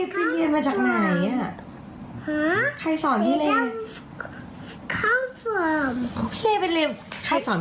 ภาชาเบล่ารอมแลวก็อย่างนั้นโอเค